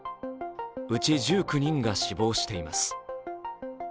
うち１９人が死亡しています。